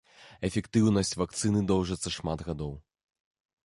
Эфектыўнасць вакцыны доўжыцца шмат гадоў.